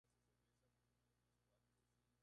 Al ser derrotada surgen muchas monedas.